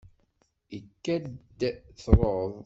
Ikad-d truḍ.